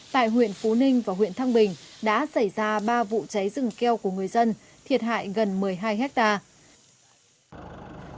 tại huyện phú ninh và huyện thăng bình đã xảy ra ba vụ cháy rừng keo của người dân thiệt hại gần một mươi hai hectare